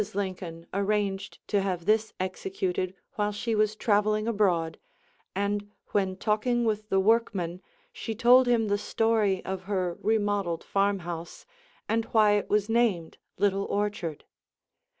Lincoln arranged to have this executed while she was traveling abroad and when talking with the workman she told him the story of her remodeled farmhouse and why it was named Little Orchard.